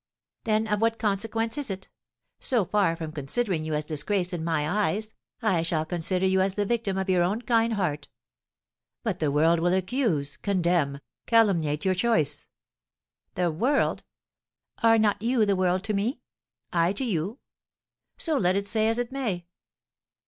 "Then of what consequence is it? So far from considering you as disgraced in my eyes, I shall consider you as the victim of your own kind heart." "But the world will accuse, condemn, calumniate your choice." "The world! Are not you the world to me I to you? So let it say as it may!"